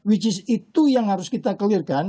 itu yang harus kita clear kan